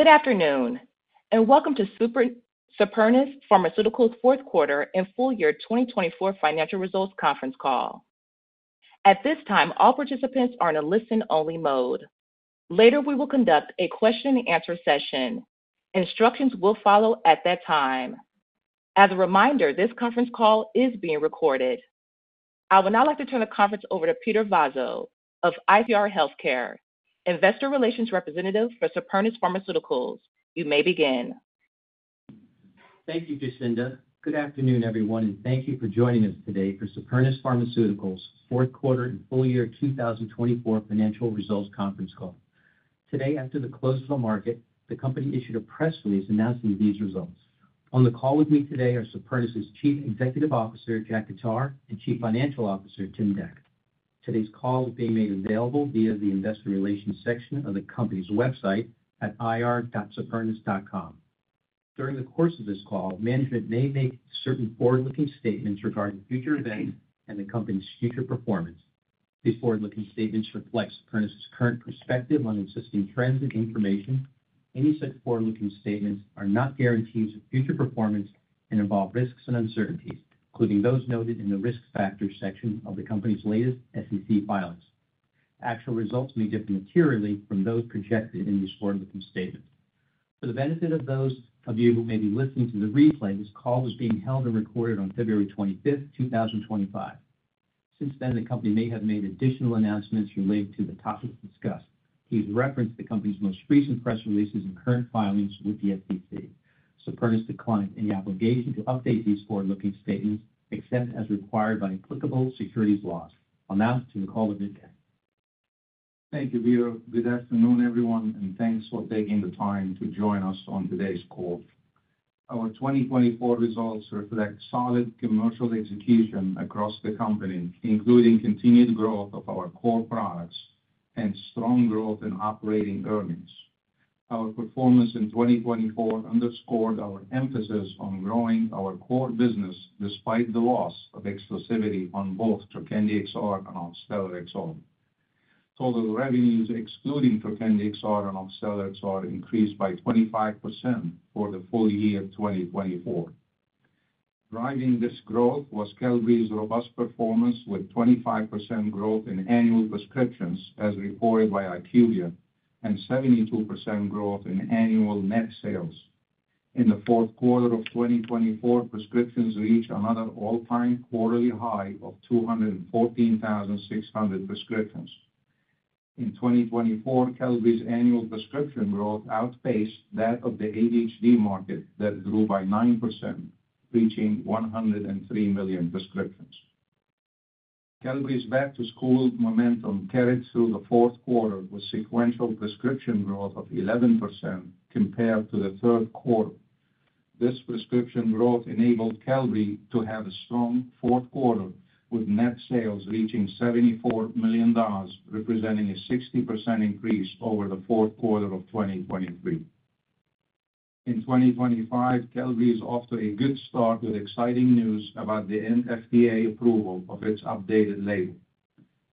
Good afternoon, and welcome to Supernus Pharmaceuticals' Fourth Quarter and Full Year 2024 Financial Results Conference Call. At this time, all participants are in a listen-only mode. Later, we will conduct a question-and-answer session. Instructions will follow at that time. As a reminder, this conference call is being recorded. I would now like to turn the conference over to Peter Vozzo of ICR Healthcare, investor relations representative for Supernus Pharmaceuticals. You may begin. Thank you, Jacinda. Good afternoon, everyone, and thank you for joining us today for Supernus Pharmaceuticals' Fourth Quarter and Full Year 2024 Financial Results Conference Call. Today, after the close of the market, the company issued a press release announcing these results. On the call with me today are Supernus' Chief Executive Officer, Jack Khattar, and Chief Financial Officer, Tim Dec. Today's call is being made available via the investor relations section of the company's website at ir.supernus.com. During the course of this call, management may make certain forward-looking statements regarding future events and the company's future performance. These forward-looking statements reflect Supernus' current perspective on existing trends and information. Any such forward-looking statements are not guarantees of future performance and involve risks and uncertainties, including those noted in the risk factors section of the company's latest SEC filings. Actual results may differ materially from those projected in these forward-looking statements. For the benefit of those of you who may be listening to the replay, this call is being held and recorded on February 25th, 2025. Since then, the company may have made additional announcements related to the topics discussed. Please reference the company's most recent press releases and current filings with the SEC. Supernus declines any obligation to update these forward-looking statements except as required by applicable securities laws. I'll now turn the call over to Jack. Thank you, Peter. Good afternoon, everyone, and thanks for taking the time to join us on today's call. Our 2024 results reflect solid commercial execution across the company, including continued growth of our core products and strong growth in operating earnings. Our performance in 2024 underscored our emphasis on growing our core business despite the loss of exclusivity on both Trokendi XR and Oxtellar XR. Total revenues, excluding Trokendi XR and Oxtellar XR, increased by 25% for the full year 2024. Driving this growth was Qelbree's robust performance with 25% growth in annual prescriptions, as reported by IQVIA, and 72% growth in annual net sales. In the fourth quarter of 2024, prescriptions reached another all-time quarterly high of 214,600 prescriptions. In 2024, Qelbree's annual prescription growth outpaced that of the ADHD market that grew by 9%, reaching 103 million prescriptions. Qelbree's back-to-school momentum carried through the fourth quarter with sequential prescription growth of 11% compared to the third quarter. This prescription growth enabled Qelbree to have a strong fourth quarter, with net sales reaching $74 million, representing a 60% increase over the fourth quarter of 2023. In 2025, Qelbree is off to a good start with exciting news about the FDA approval of its updated label.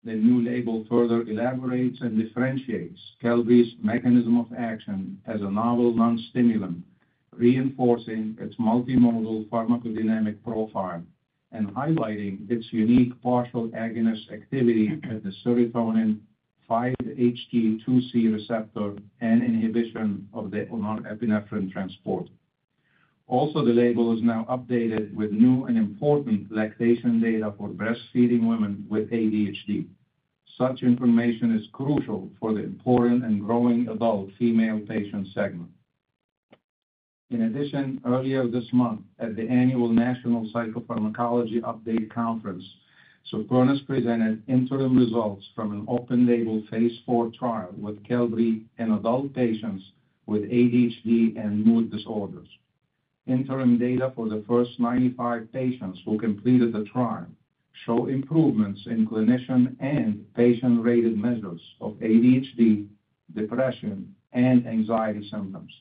The new label further elaborates and differentiates Qelbree's mechanism of action as a novel non-stimulant, reinforcing its multimodal pharmacodynamic profile and highlighting its unique partial agonist activity at the serotonin 5-HT2C receptor and inhibition of the norepinephrine transport. Also, the label is now updated with new and important lactation data for breastfeeding women with ADHD. Such information is crucial for the important and growing adult female patient segment. In addition, earlier this month, at the annual National Psychopharmacology Update Conference, Supernus presented interim results from an open-label phase IV trial with Qelbree in adult patients with ADHD and mood disorders. Interim data for the first 95 patients who completed the trial show improvements in clinician and patient-rated measures of ADHD, depression, and anxiety symptoms.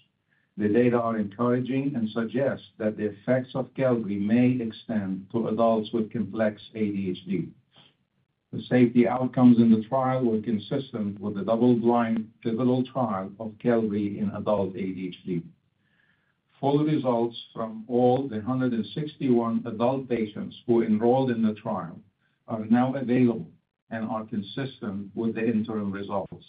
The data are encouraging and suggest that the effects of Qelbree may extend to adults with complex ADHD. The safety outcomes in the trial were consistent with the double-blind pivotal trial of Qelbree in adult ADHD. Full results from all the 161 adult patients who enrolled in the trial are now available and are consistent with the interim results.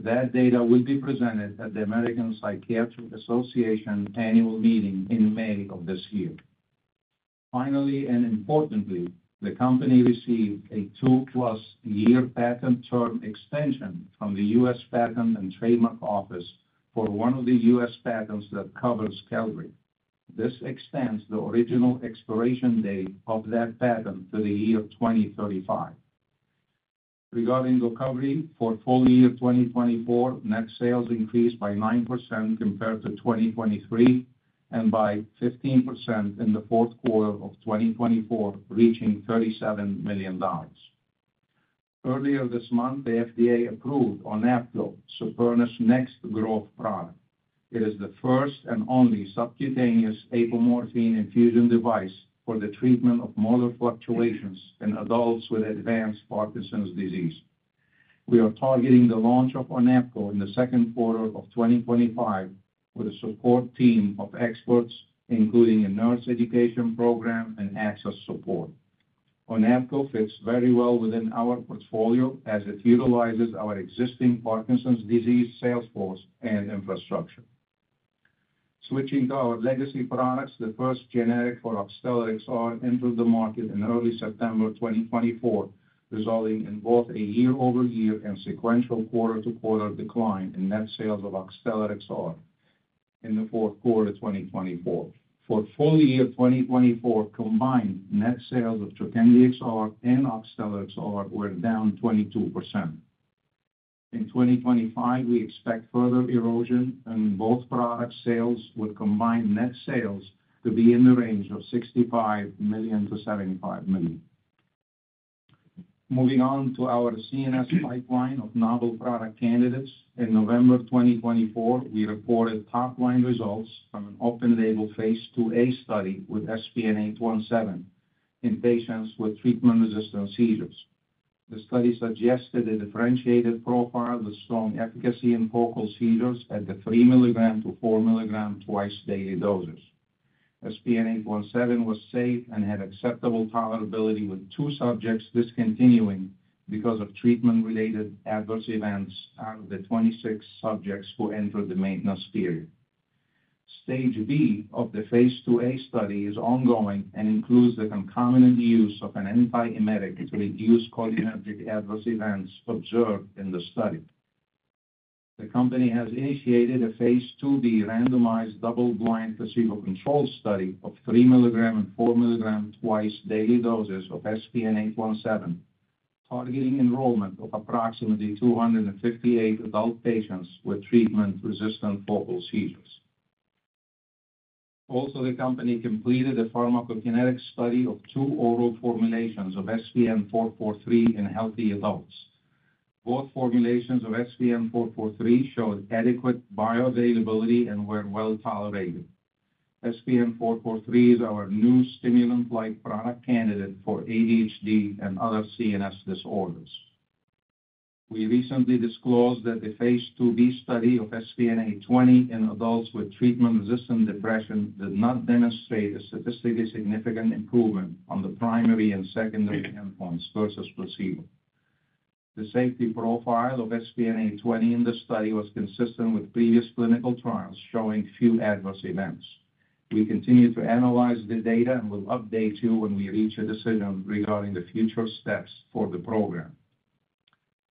That data will be presented at the American Psychiatric Association annual meeting in May of this year. Finally, and importantly, the company received a two-plus year patent term extension from the U.S. Patent and Trademark Office for one of the U.S. patents that covers Qelbree. This extends the original expiration date of that patent to the year 2035. Regarding Qelbree for full year 2024, net sales increased by 9% compared to 2023 and by 15% in the fourth quarter of 2024, reaching $37 million. Earlier this month, the FDA approved SPN-830, Supernus' next growth product. It is the first and only subcutaneous apomorphine infusion device for the treatment of motor fluctuations in adults with advanced Parkinson's disease. We are targeting the launch of SPN-830 in the second quarter of 2025 with a support team of experts, including a nurse education program and access support. SPN-830 fits very well within our portfolio as it utilizes our existing Parkinson's disease sales force and infrastructure. Switching to our legacy products, the first generic for Oxtellar XR entered the market in early September 2024, resulting in both a year-over-year and sequential quarter-to-quarter decline in net sales of Oxtellar XR in the fourth quarter of 2024. For full year 2024, combined net sales of Trokendi XR and Oxtellar XR were down 22%. In 2025, we expect further erosion in both product sales with combined net sales to be in the range of $65 million-$75 million. Moving on to our CNS pipeline of novel product candidates, in November 2024, we reported top-line results from an open-label phase II-A study with SPN-817 in patients with treatment-resistant seizures. The study suggested a differentiated profile with strong efficacy in focal seizures at the three milligram to four milligram twice-daily doses. SPN-817 was safe and had acceptable tolerability, with two subjects discontinuing because of treatment-related adverse events out of the 26 subjects who entered the maintenance period. Stage B of the phase II-A study is ongoing and includes the concomitant use of an antiemetic to reduce cholinergic adverse events observed in the study. The company has initiated a phase II-B randomized double-blind placebo-controlled study of 3 milligram and 4 milligram twice-daily doses of SPN-817, targeting enrollment of approximately 258 adult patients with treatment-resistant focal seizures. Also, the company completed a pharmacokinetic study of two oral formulations of SPN-443 in healthy adults. Both formulations of SPN-443 showed adequate bioavailability and were well tolerated. SPN-443 is our new stimulant-like product candidate for ADHD and other CNS disorders. We recently disclosed that the phase II-B study of SPN-820 in adults with treatment-resistant depression did not demonstrate a statistically significant improvement on the primary and secondary endpoints versus placebo. The safety profile of SPN-820 in this study was consistent with previous clinical trials showing few adverse events. We continue to analyze the data and will update you when we reach a decision regarding the future steps for the program.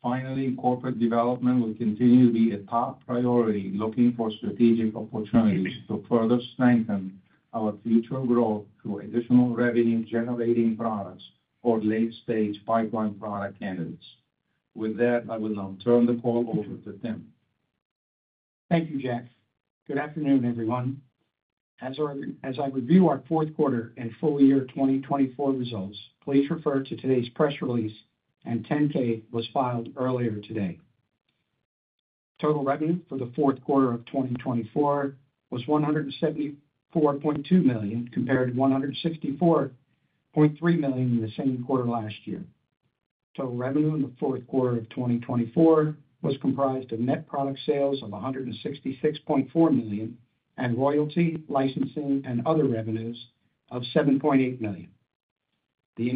Finally, corporate development will continue to be a top priority, looking for strategic opportunities to further strengthen our future growth through additional revenue-generating products or late-stage pipeline product candidates. With that, I will now turn the call over to Tim. Thank you, Jack. Good afternoon, everyone. As I review our fourth quarter and full year 2024 results, please refer to today's press release, and 10-K was filed earlier today. Total revenue for the fourth quarter of 2024 was $174.2 million compared to $164.3 million in the same quarter last year. Total revenue in the fourth quarter of 2024 was comprised of net product sales of $166.4 million and royalty, licensing, and other revenues of $7.8 million. The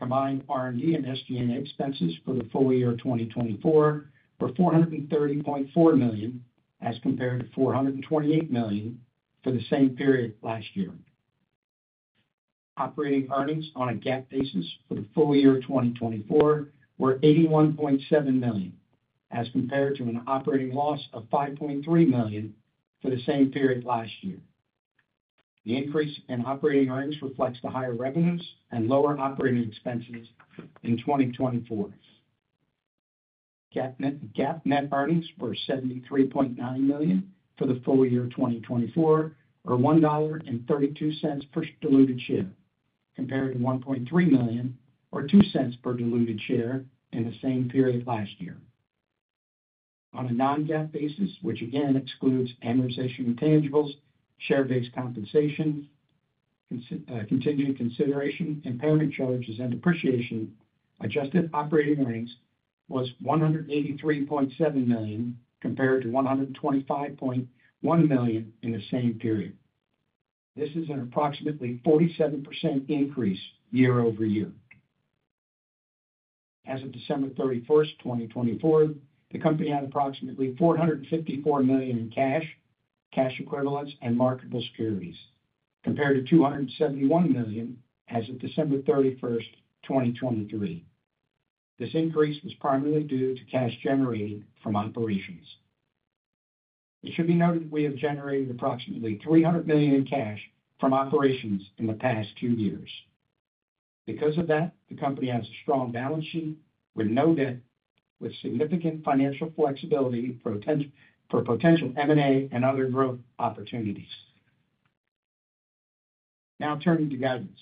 Combined R&D and SG&A expenses for the full year 2024 were $430.4 million as compared to $428 million for the same period last year. Operating earnings on a GAAP basis for the full year 2024 were $81.7 million as compared to an operating loss of $5.3 million for the same period last year. The increase in operating earnings reflects the higher revenues and lower operating expenses in 2024. GAAP net earnings were $73.9 million for the full year 2024, or $1.32 per diluted share, compared to $1.3 million, or $0.02 per diluted share in the same period last year. On a non-GAAP basis, which again excludes amortization of intangibles, share-based compensation, contingent consideration, impairment charges, and depreciation, adjusted operating earnings was $183.7 million compared to $125.1 million in the same period. This is an approximately 47% increase year over year. As of December 31st, 2024, the company had approximately $454 million in cash, cash equivalents, and marketable securities, compared to $271 million as of December 31st, 2023. This increase was primarily due to cash generated from operations. It should be noted that we have generated approximately $300 million in cash from operations in the past two years. Because of that, the company has a strong balance sheet with no debt, with significant financial flexibility for potential M&A and other growth opportunities. Now, turning to guidance.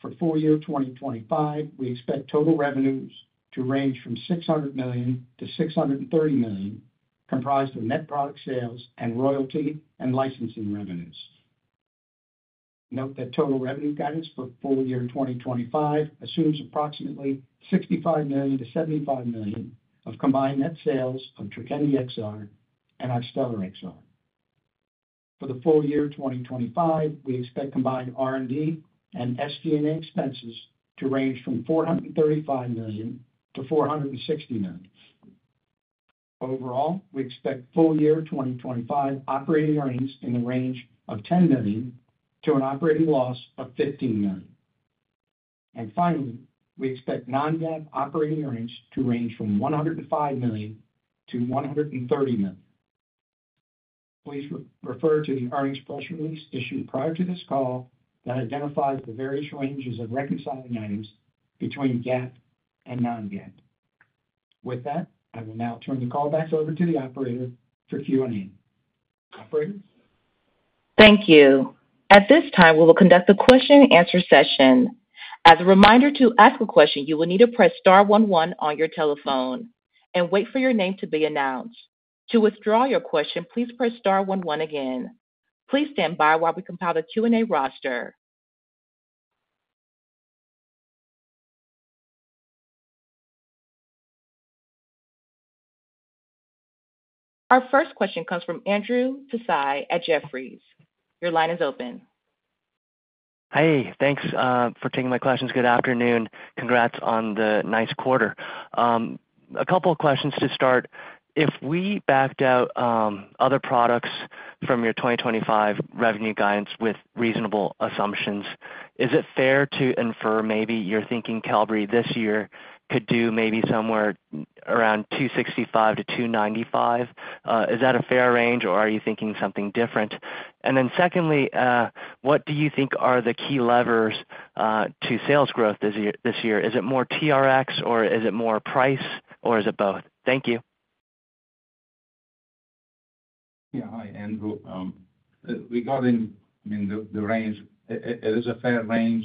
For full year 2025, we expect total revenues to range from $600 million-$630 million, comprised of net product sales and royalty and licensing revenues. Note that total revenue guidance for full year 2025 assumes approximately $65 million-$75 million of combined net sales of Trokendi XR and Oxtellar XR. For the full year 2025, we expect combined R&D and SG&A expenses to range from $435 million-$460 million. Overall, we expect full year 2025 operating earnings in the range of $10 million to an operating loss of $15 million. And finally, we expect non-GAAP operating earnings to range from $105 million-$130 million. Please refer to the earnings press release issued prior to this call that identifies the various ranges of reconciling items between GAAP and non-GAAP. With that, I will now turn the call back over to the operator for Q&A. Operator. Thank you. At this time, we will conduct the question-and-answer session. As a reminder to ask a question, you will need to press star one one on your telephone and wait for your name to be announced. To withdraw your question, please press star one one again. Please stand by while we compile the Q&A roster. Our first question comes from Andrew Tsai at Jefferies. Your line is open. Hey, thanks for taking my questions. Good afternoon. Congrats on the nice quarter. A couple of questions to start. If we backed out other products from your 2025 revenue guidance with reasonable assumptions, is it fair to infer maybe you're thinking Qelbree this year could do maybe somewhere around $265-$295? Is that a fair range, or are you thinking something different? And then secondly, what do you think are the key levers to sales growth this year? Is it more TRX, or is it more price, or is it both? Thank you. Yeah, hi, Andrew. Regarding the range, it is a fair range.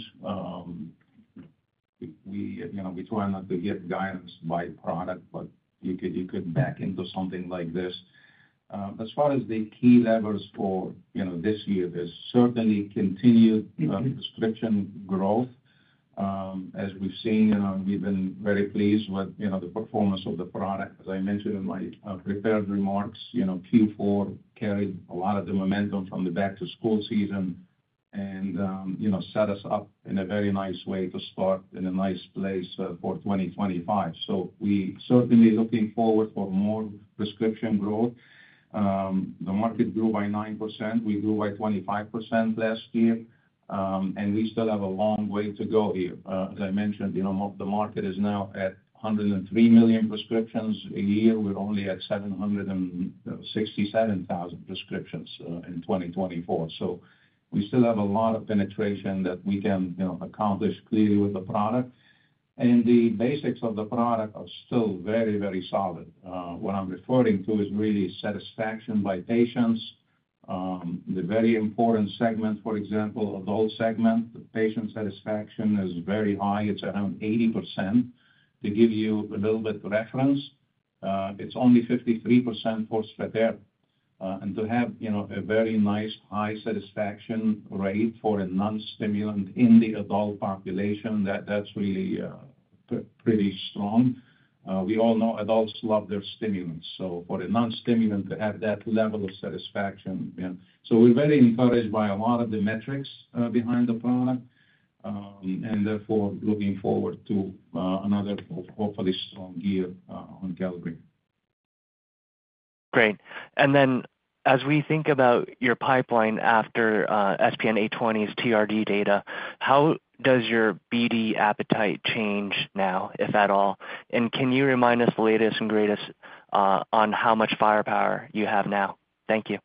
We try not to get guidance by product, but you could back into something like this. As far as the key levers for this year, there's certainly continued prescription growth. As we've seen, we've been very pleased with the performance of the product. As I mentioned in my prepared remarks, Q4 carried a lot of the momentum from the back-to-school season and set us up in a very nice way to start in a nice place for 2025. So we're certainly looking forward to more prescription growth. The market grew by 9%. We grew by 25% last year, and we still have a long way to go here. As I mentioned, the market is now at 103 million prescriptions a year. We're only at 767,000 prescriptions in 2024. So we still have a lot of penetration that we can accomplish clearly with the product. And the basics of the product are still very, very solid. What I'm referring to is really satisfaction by patients. The very important segment, for example, adult segment, the patient satisfaction is very high. It's around 80%. To give you a little bit of reference, it's only 53% for Strattera. And to have a very nice high satisfaction rate for a non-stimulant in the adult population, that's really pretty strong. We all know adults love their stimulants. So for a non-stimulant to have that level of satisfaction, so we're very encouraged by a lot of the metrics behind the product and therefore looking forward to another, hopefully, strong year on Qelbree. Great. And then as we think about your pipeline after SPN-820's TRD data, how does your BD appetite change now, if at all? And can you remind us the latest and greatest on how much firepower you have now? Thank you.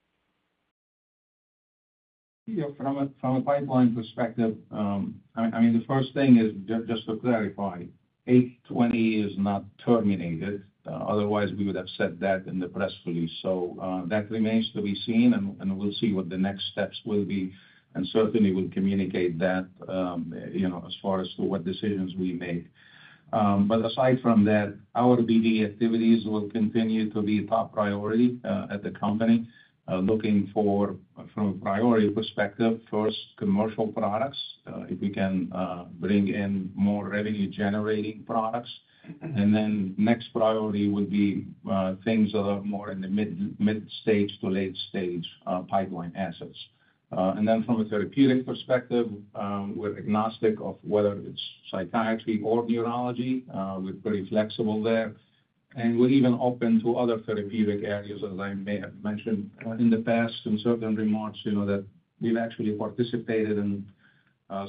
Yeah, from a pipeline perspective, I mean, the first thing is just to clarify, 820 is not terminated. Otherwise, we would have said that in the press release. So that remains to be seen, and we'll see what the next steps will be. And certainly, we'll communicate that as far as to what decisions we make. But aside from that, our BD activities will continue to be top priority at the company. Looking for, from a priority perspective, first, commercial products, if we can bring in more revenue-generating products. And then next priority would be things that are more in the mid-stage to late-stage pipeline assets. And then from a therapeutic perspective, we're agnostic of whether it's psychiatry or neurology. We're pretty flexible there. And we're even open to other therapeutic areas, as I may have mentioned in the past in certain remarks, that we've actually participated in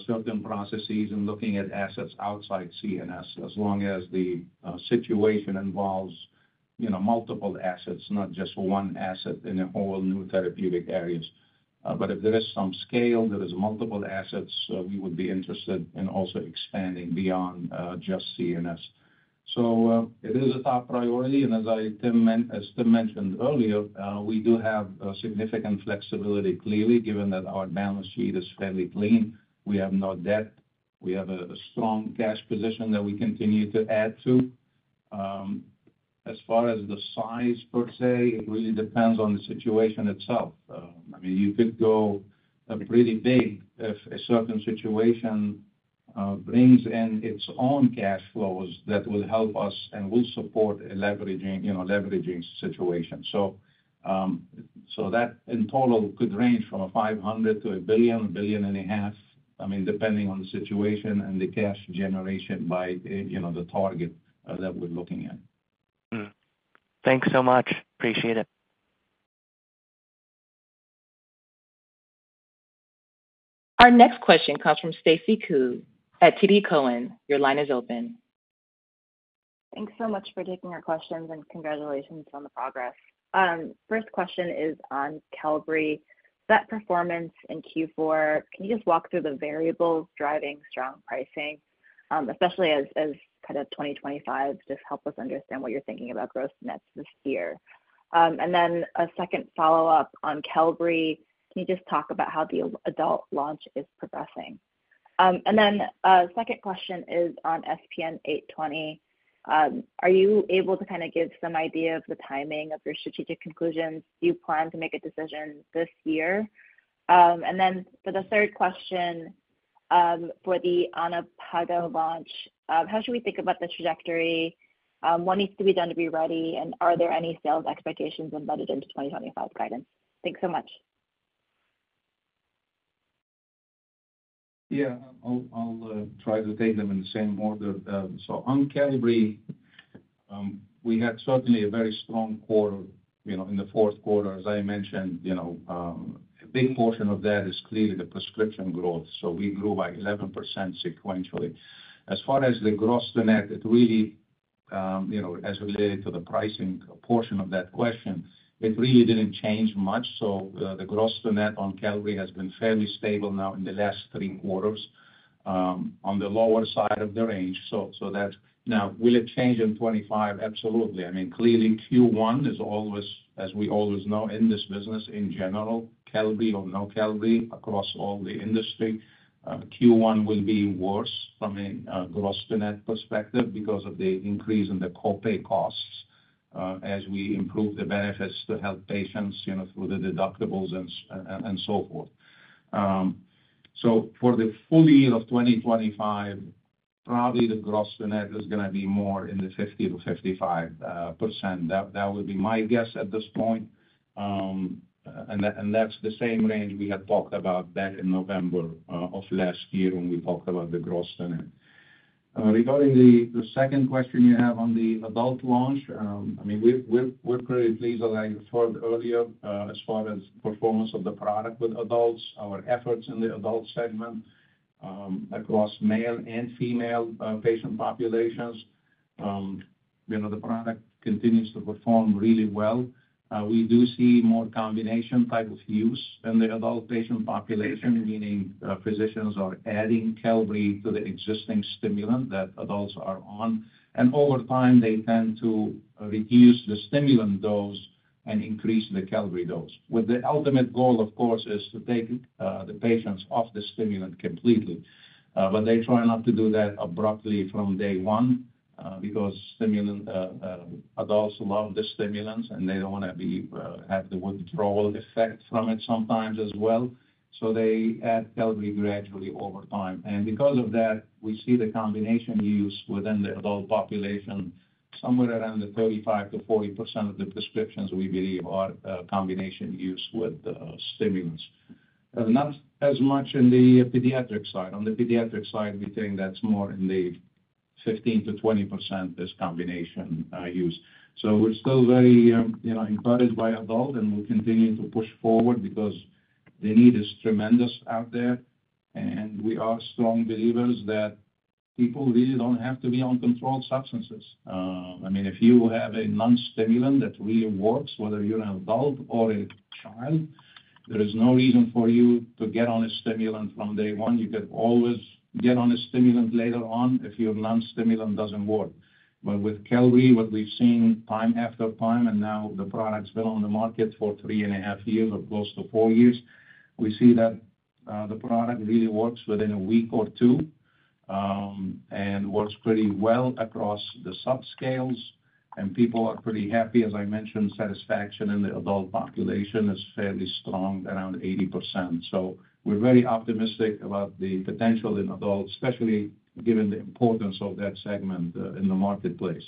certain processes and looking at assets outside CNS as long as the situation involves multiple assets, not just one asset in a whole new therapeutic areas. But if there is some scale, there are multiple assets, we would be interested in also expanding beyond just CNS. So it is a top priority. And as Tim mentioned earlier, we do have significant flexibility, clearly, given that our balance sheet is fairly clean. We have no debt. We have a strong cash position that we continue to add to. As far as the size, per se, it really depends on the situation itself. I mean, you could go pretty big if a certain situation brings in its own cash flows that will help us and will support a leveraging situation. So that in total could range from $500 million to a $1 billion, $1.5 billion, I mean, depending on the situation and the cash generation by the target that we're looking at. Thanks so much. Appreciate it. Our next question comes from Stacy Ku at TD Cowen. Your line is open. Thanks so much for taking our questions, and congratulations on the progress. First question is on Qelbree. That performance in Q4, can you just walk through the variables driving strong pricing, especially as kind of 2025 just helped us understand what you're thinking about gross-to-net this year? And then a second follow-up on Qelbree, can you just talk about how the adult launch is progressing? And then a second question is on SPN-820. Are you able to kind of give some idea of the timing of your strategic conclusions? Do you plan to make a decision this year? And then for the third question, for the SPN-830 launch, how should we think about the trajectory? What needs to be done to be ready? And are there any sales expectations embedded into 2025 guidance? Thanks so much. Yeah, I'll try to take them in the same order. So on Qelbree, we had certainly a very strong quarter. In the fourth quarter, as I mentioned, a big portion of that is clearly the prescription growth. So we grew by 11% sequentially. As far as the gross to net, it really, as related to the pricing portion of that question, it really didn't change much. So the gross to net on Qelbree has been fairly stable now in the last three quarters on the lower side of the range. So now, will it change in 2025? Absolutely. I mean, clearly, Q1 is always, as we always know in this business in general, Qelbree or no Qelbree across all the industry, Q1 will be worse from a gross to net perspective because of the increase in the copay costs as we improve the benefits to help patients through the deductibles and so forth. So for the full year of 2025, probably the gross to net is going to be more in the 50%-55%. That would be my guess at this point. And that's the same range we had talked about back in November of last year when we talked about the gross to net. Regarding the second question you have on the adult launch, I mean, we're pretty pleased, as I referred earlier, as far as performance of the product with adults, our efforts in the adult segment across male and female patient populations. The product continues to perform really well. We do see more combination type of use in the adult patient population, meaning physicians are adding Qelbree to the existing stimulant that adults are on, and over time, they tend to reduce the stimulant dose and increase the Qelbree dose. With the ultimate goal, of course, is to take the patients off the stimulant completely, but they try not to do that abruptly from day one because adults love the stimulants, and they don't want to have the withdrawal effect from it sometimes as well, so they add Qelbree gradually over time, and because of that, we see the combination use within the adult population, somewhere around the 35%-40% of the prescriptions, we believe, are combination use with stimulants. Not as much in the pediatric side. On the pediatric side, we think that's more in the 15%-20% is combination use. So we're still very encouraged by adults, and we'll continue to push forward because the need is tremendous out there. And we are strong believers that people really don't have to be on controlled substances. I mean, if you have a non-stimulant that really works, whether you're an adult or a child, there is no reason for you to get on a stimulant from day one. You can always get on a stimulant later on if your non-stimulant doesn't work. But with Qelbree, what we've seen time after time, and now the product's been on the market for three and a half years or close to four years, we see that the product really works within a week or two and works pretty well across the subscales. And people are pretty happy. As I mentioned, satisfaction in the adult population is fairly strong, around 80%. So we're very optimistic about the potential in adults, especially given the importance of that segment in the marketplace.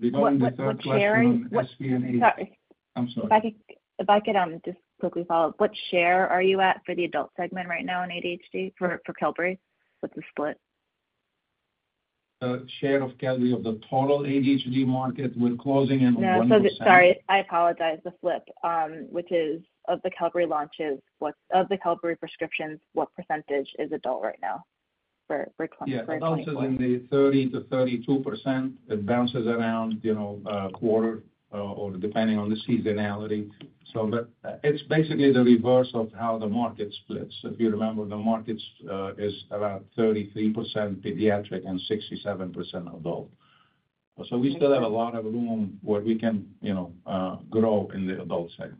Regarding the third question. What share? Sorry. I'm sorry. If I could just quickly follow up, what share are you at for the adult segment right now in ADHD for Qelbree? What's the split? The share of Qelbree of the total ADHD market with closing in on 1%? Yeah. So sorry. I apologize. The flip, which is of the Qelbree launches, of the Qelbree prescriptions, what percentage is adult right now for clients? Yeah. Adults is in the 30%-32%. It bounces around a quarter or depending on the seasonality. But it's basically the reverse of how the market splits. If you remember, the market is around 33% pediatric and 67% adult. So we still have a lot of room where we can grow in the adult segment.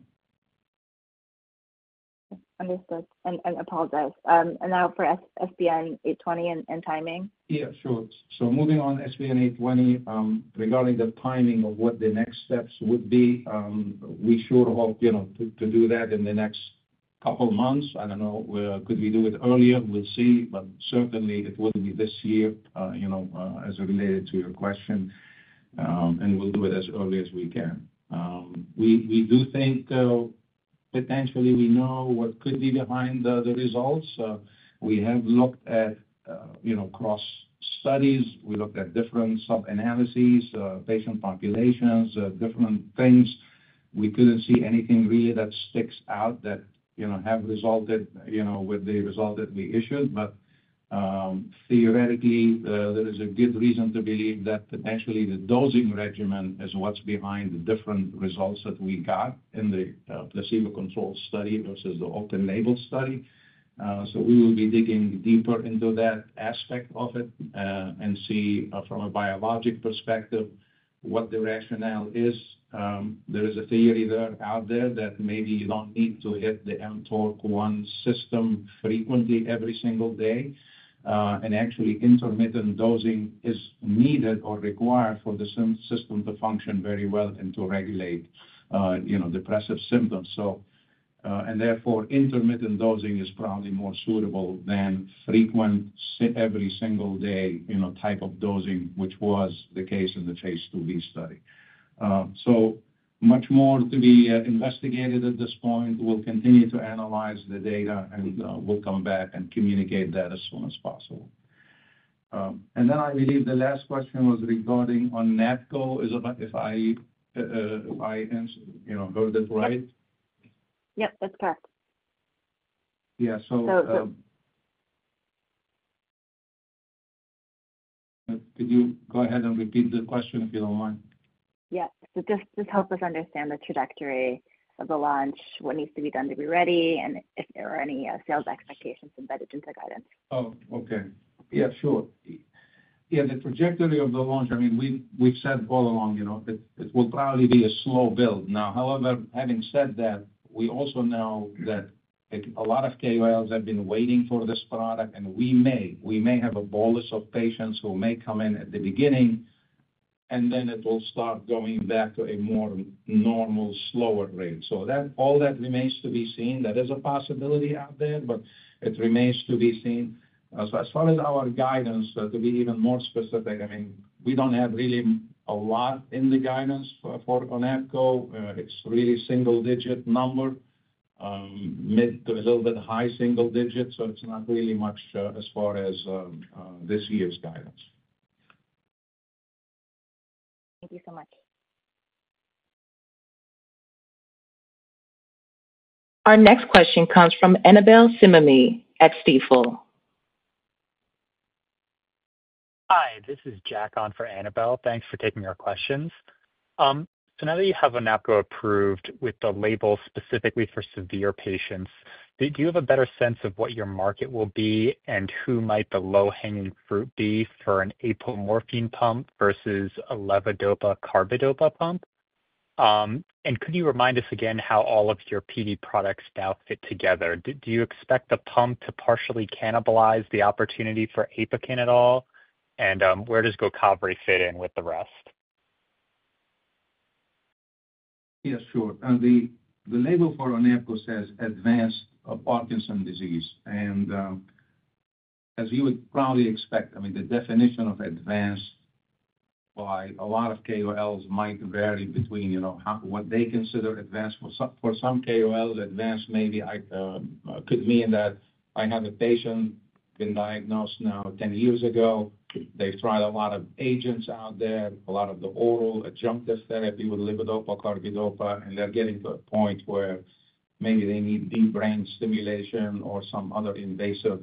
Understood. Apologies. Now for SPN-820 and timing? Yeah, sure. So moving on SPN-820, regarding the timing of what the next steps would be, we sure hope to do that in the next couple of months. I don't know. Could we do it earlier? We'll see. But certainly, it wouldn't be this year as related to your question. And we'll do it as early as we can. We do think potentially we know what could be behind the results. We have looked at cross studies. We looked at different sub-analyses, patient populations, different things. We couldn't see anything really that sticks out that have resulted with the result that we issued. But theoretically, there is a good reason to believe that potentially the dosing regimen is what's behind the different results that we got in the placebo-controlled study versus the open-label study. So we will be digging deeper into that aspect of it and see from a biologic perspective what the rationale is. There is a theory out there that maybe you don't need to hit the mTORC1 system frequently every single day. And actually, intermittent dosing is needed or required for the system to function very well and to regulate depressive symptoms. And therefore, intermittent dosing is probably more suitable than frequent every single day type of dosing, which was the case in the phase II-B study. So much more to be investigated at this point. We'll continue to analyze the data, and we'll come back and communicate that as soon as possible. And then I believe the last question was regarding on Natco, if I heard it right? Yep, that's correct. Yeah. So could you go ahead and repeat the question if you don't mind? Yeah. So just help us understand the trajectory of the launch, what needs to be done to be ready, and if there are any sales expectations embedded into guidance? Oh, okay. Yeah, sure. Yeah, the trajectory of the launch, I mean, we've said all along it will probably be a slow build. Now, however, having said that, we also know that a lot of KOLs have been waiting for this product, and we may have a bolus of patients who may come in at the beginning, and then it will start going back to a more normal, slower rate. So all that remains to be seen. That is a possibility out there, but it remains to be seen. As far as our guidance, to be even more specific, I mean, we don't have really a lot in the guidance for SPN-830. It's really single-digit number, mid to a little bit high single digit. So it's not really much as far as this year's guidance. Thank you so much. Our next question comes from Annabel Samimy at Stifel. Hi, this is Jack on for Annabel. Thanks for taking our questions. So now that you have SPN-830 approved with the label specifically for severe patients, do you have a better sense of what your market will be and who might the low-hanging fruit be for an apomorphine pump versus a levodopa/carbidopa pump? And could you remind us again how all of your PD products now fit together? Do you expect the pump to partially cannibalize the opportunity for APOKYN at all? And where does Gocovri fit in with the rest? Yeah, sure. The label for SPN-830 says advanced Parkinson's disease. And as you would probably expect, I mean, the definition of advanced by a lot of KOLs might vary between what they consider advanced. For some KOLs, advanced maybe could mean that I have a patient been diagnosed now 10 years ago. They've tried a lot of agents out there, a lot of the oral adjunctive therapy with levodopa/carbidopa, and they're getting to a point where maybe they need deep brain stimulation or some other invasive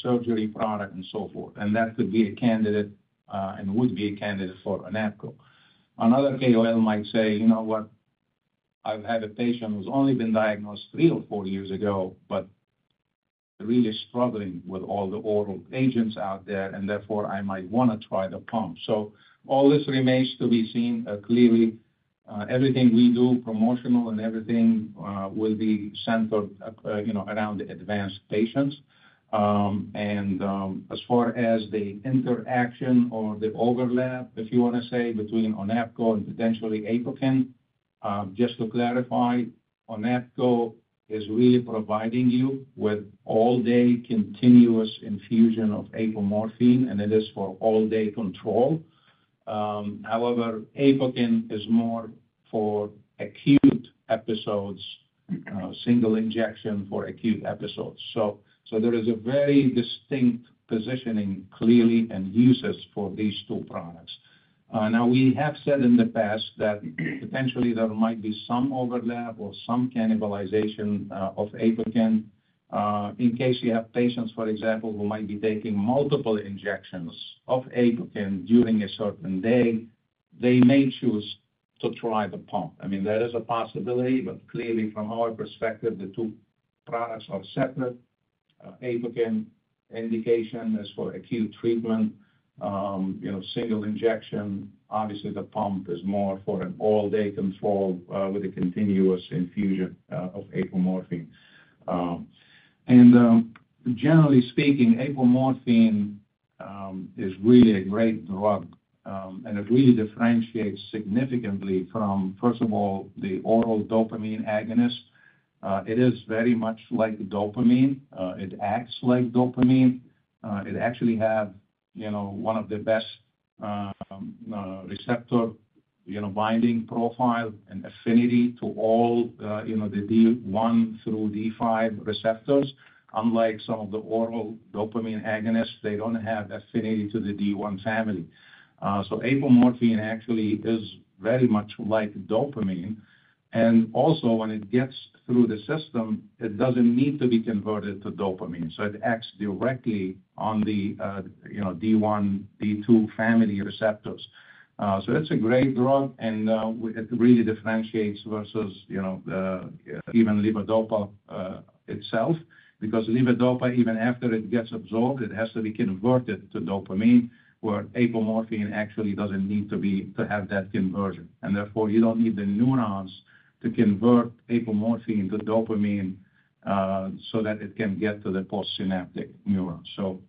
surgery product and so forth. And that could be a candidate and would be a candidate for SPN-830. Another KOL might say, "You know what? I've had a patient who's only been diagnosed three or four years ago, but really struggling with all the oral agents out there, and therefore, I might want to try the pump." So all this remains to be seen. Clearly, everything we do, promotional and everything, will be centered around advanced patients, and as far as the interaction or the overlap, if you want to say, between SPN-830 and potentially APOKYN, just to clarify, SPN-830 is really providing you with all-day continuous infusion of apomorphine, and it is for all-day control. However, APOKYN is more for acute episodes, single injection for acute episodes, so there is a very distinct positioning clearly and uses for these two products. Now, we have said in the past that potentially there might be some overlap or some cannibalization of APOKYN. In case you have patients, for example, who might be taking multiple injections of APOKYN during a certain day, they may choose to try the pump. I mean, that is a possibility, but clearly, from our perspective, the two products are separate. APOKYN indication is for acute treatment, single injection. Obviously, the pump is more for an all-day control with a continuous infusion of apomorphine. Generally speaking, apomorphine is really a great drug, and it really differentiates significantly from, first of all, the oral dopamine agonist. It is very much like dopamine. It acts like dopamine. It actually has one of the best receptor binding profile and affinity to all the D1 through D5 receptors. Unlike some of the oral dopamine agonists, they don't have affinity to the D1 family. So apomorphine actually is very much like dopamine. Also, when it gets through the system, it doesn't need to be converted to dopamine. So it acts directly on the D1, D2 family receptors. So it's a great drug, and it really differentiates versus even levodopa itself because Levodopa, even after it gets absorbed, it has to be converted to dopamine, where apomorphine actually doesn't need to have that conversion. And therefore, you don't need the neurons to convert apomorphine to dopamine so that it can get to the postsynaptic neuron. So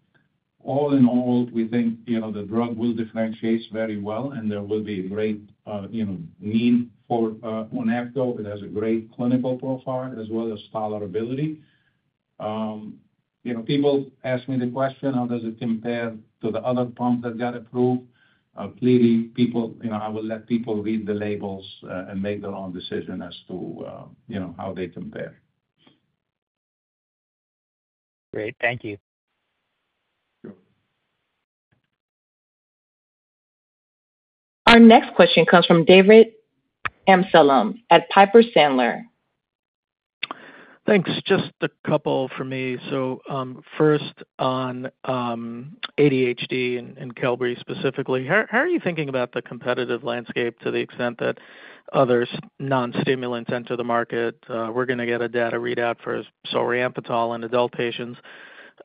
all in all, we think the drug will differentiate very well, and there will be a great need for SPN-830. It has a great clinical profile as well as tolerability. People ask me the question, "How does it compare to the other pumps that got approved?" Clearly, I will let people read the labels and make their own decision as to how they compare. Great. Thank you. Sure. Our next question comes from David Amsellem at Piper Sandler. Thanks. Just a couple for me. So first, on ADHD and Qelbree specifically, how are you thinking about the competitive landscape to the extent that other non-stimulants enter the market? We're going to get a data readout for Solriamfetol in adult patients,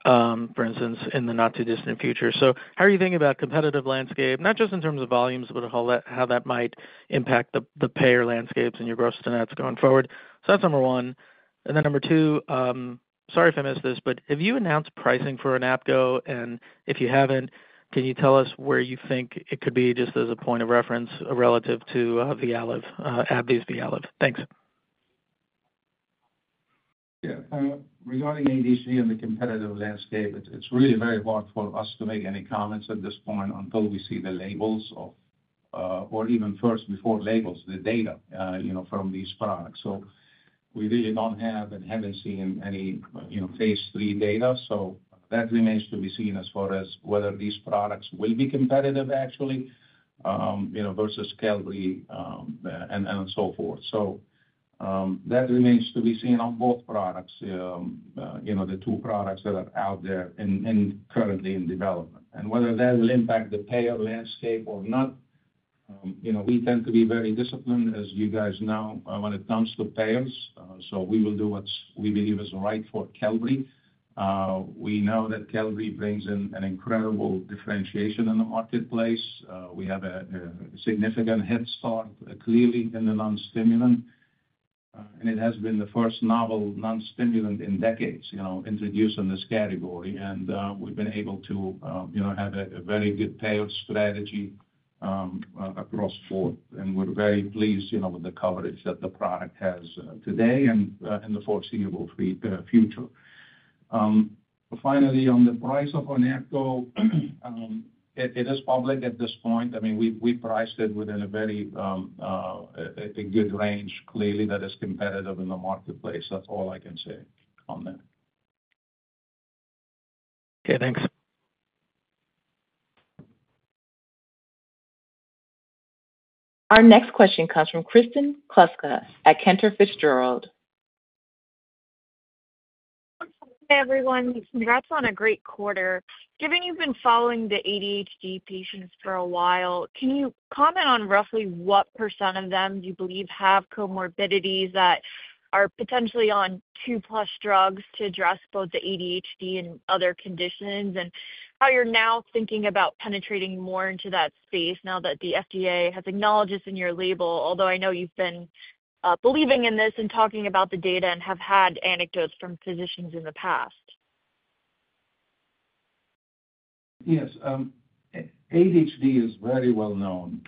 for instance, in the not-too-distant future. So how are you thinking about the competitive landscape, not just in terms of volumes, but how that might impact the payer landscapes and your gross-to-net going forward? So that's number one. And then number two, sorry if I missed this, but have you announced pricing for SPN-830? And if you haven't, can you tell us where you think it could be just as a point of reference relative to the AbbVie's VYALEV? Thanks. Yeah. Regarding ADHD and the competitive landscape, it's really very hard for us to make any comments at this point until we see the labels or even first, before labels, the data from these products. So we really don't have and haven't seen any phase III data. So that remains to be seen as far as whether these products will be competitive actually versus Qelbree and so forth. So that remains to be seen on both products, the two products that are out there and currently in development. And whether that will impact the payer landscape or not, we tend to be very disciplined, as you guys know, when it comes to payers. So we will do what we believe is right for Qelbree. We know that Qelbree brings in an incredible differentiation in the marketplace. We have a significant head start clearly in the non-stimulant. It has been the first novel non-stimulant in decades introduced in this category. We've been able to have a very good payer strategy across four. We're very pleased with the coverage that the product has today and in the foreseeable future. Finally, on the price of SPN-830, it is public at this point. I mean, we priced it within a very good range, clearly, that is competitive in the marketplace. That's all I can say on that. Okay. Thanks. Our next question comes from Kristen Kluska at Cantor Fitzgerald. Hey, everyone. Congrats on a great quarter. Given you've been following the ADHD patients for a while, can you comment on roughly what percent of them you believe have comorbidities that are potentially on two-plus drugs to address both the ADHD and other conditions? And how you're now thinking about penetrating more into that space now that the FDA has acknowledged this in your label, although I know you've been believing in this and talking about the data and have had anecdotes from physicians in the past? Yes. ADHD is very well known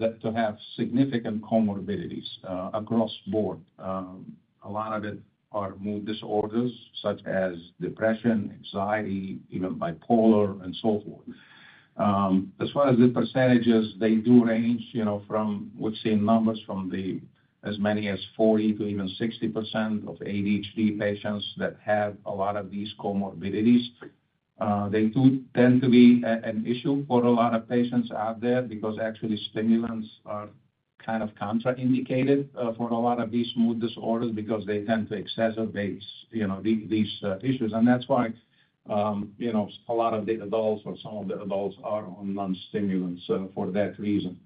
to have significant comorbidities across the board. A lot of it are mood disorders such as depression, anxiety, even bipolar, and so forth. As far as the percentages, they do range from, we've seen numbers from as many as 40%-60% of ADHD patients that have a lot of these comorbidities. They do tend to be an issue for a lot of patients out there because actually stimulants are kind of contraindicated for a lot of these mood disorders because they tend to exacerbate these issues, and that's why a lot of the adults or some of the adults are on non-stimulants for that reason.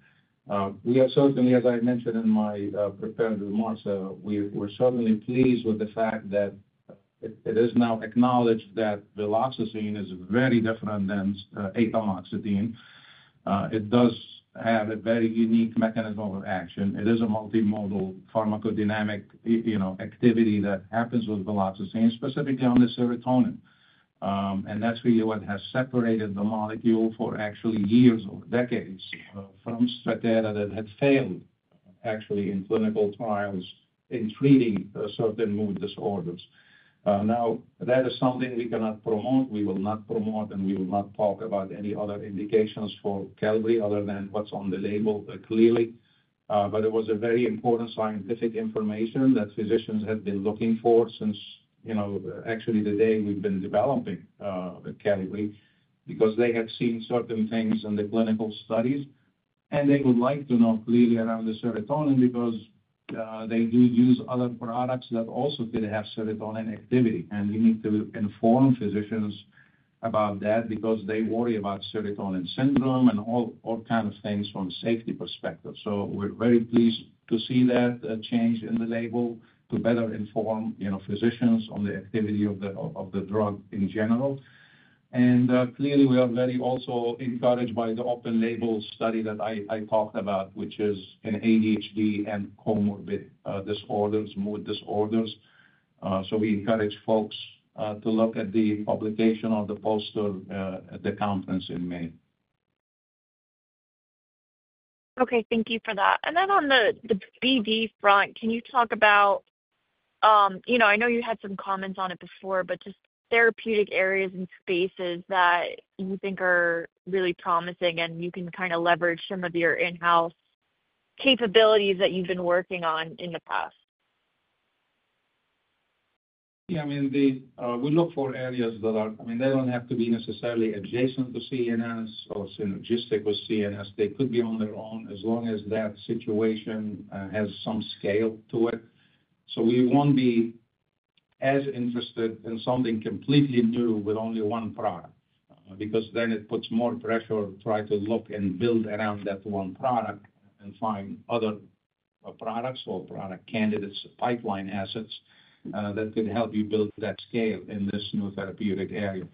We are certainly, as I mentioned in my prepared remarks, we're certainly pleased with the fact that it is now acknowledged that viloxazine is very different than atomoxetine. It does have a very unique mechanism of action. It is a multimodal pharmacodynamic activity that happens with viloxazine, specifically on the serotonin. And that's really what has separated the molecule for actually years or decades from Strattera that had failed actually in clinical trials in treating certain mood disorders. Now, that is something we cannot promote. We will not promote, and we will not talk about any other indications for Qelbree other than what's on the label clearly. But it was very important scientific information that physicians had been looking for since actually the day we've been developing Qelbree because they had seen certain things in the clinical studies. And they would like to know clearly around the serotonin because they do use other products that also did have serotonin activity. And you need to inform physicians about that because they worry about serotonin syndrome and all kinds of things from a safety perspective. So we're very pleased to see that change in the label to better inform physicians on the activity of the drug in general. And clearly, we are very also encouraged by the open-label study that I talked about, which is in ADHD and comorbid disorders, mood disorders. So we encourage folks to look at the publication on the poster at the conference in May. Okay. Thank you for that. And then on the BD front, can you talk about? I know you had some comments on it before, but just therapeutic areas and spaces that you think are really promising and you can kind of leverage some of your in-house capabilities that you've been working on in the past? Yeah. I mean, we look for areas that are I mean, they don't have to be necessarily adjacent to CNS or synergistic with CNS. They could be on their own as long as that situation has some scale to it. So we won't be as interested in something completely new with only one product because then it puts more pressure to try to look and build around that one product and find other products or product candidates, pipeline assets that could help you build that scale in this new therapeutic area.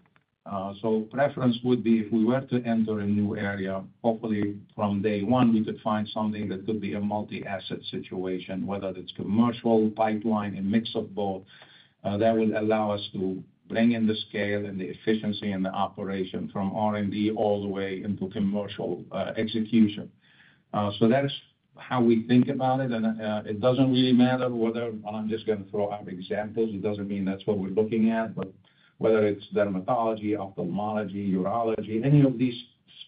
So preference would be if we were to enter a new area, hopefully from day one, we could find something that could be a multi-asset situation, whether it's commercial, pipeline, a mix of both. That would allow us to bring in the scale and the efficiency and the operation from R&D all the way into commercial execution. So that's how we think about it. And it doesn't really matter whether I'm just going to throw out examples. It doesn't mean that's what we're looking at, but whether it's dermatology, ophthalmology, urology, any of these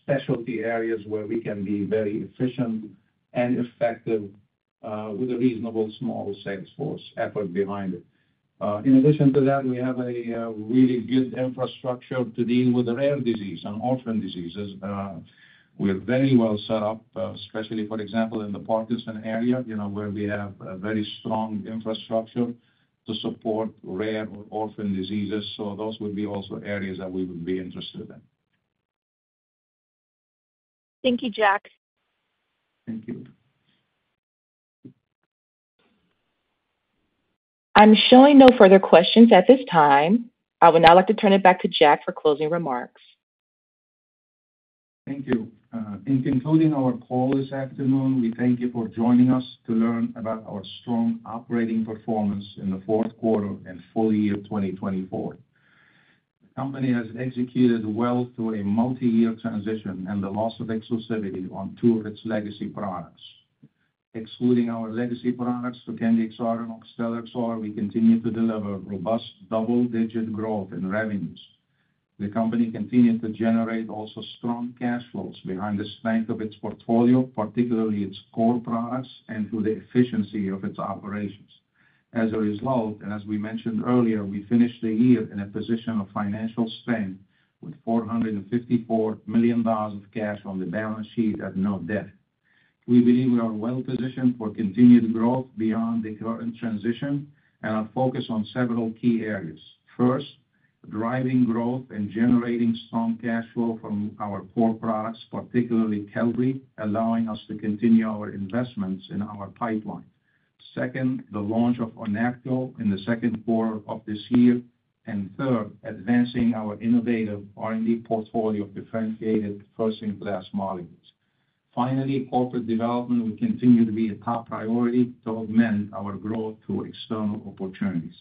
specialty areas where we can be very efficient and effective with a reasonable small sales force effort behind it. In addition to that, we have a really good infrastructure to deal with rare disease and orphan diseases. We're very well set up, especially, for example, in the Parkinson area, where we have a very strong infrastructure to support rare or orphan diseases. So those would be also areas that we would be interested in. Thank you, Jack. Thank you. I'm showing no further questions at this time. I would now like to turn it back to Jack for closing remarks. Thank you. In concluding our call this afternoon, we thank you for joining us to learn about our strong operating performance in the fourth quarter and full year 2024. The company has executed well through a multi-year transition and the loss of exclusivity on two of its legacy products. Excluding our legacy products, the Trokendi XR and Oxtellar XR, we continue to deliver robust double-digit growth in revenues. The company continued to generate also strong cash flows behind the strength of its portfolio, particularly its core products and through the efficiency of its operations. As a result, and as we mentioned earlier, we finished the year in a position of financial strength with $454 million of cash on the balance sheet at no debt. We believe we are well positioned for continued growth beyond the current transition and our focus on several key areas. First, driving growth and generating strong cash flow from our core products, particularly Qelbree, allowing us to continue our investments in our pipeline. Second, the launch of SPN-830 in the second quarter of this year. And third, advancing our innovative R&D portfolio of differentiated first-in-class molecules. Finally, corporate development will continue to be a top priority to augment our growth through external opportunities.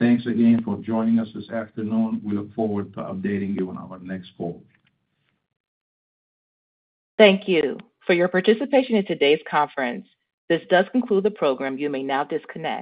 Thanks again for joining us this afternoon. We look forward to updating you on our next call. Thank you for your participation in today's conference. This does conclude the program. You may now disconnect.